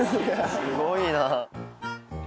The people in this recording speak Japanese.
すごいな。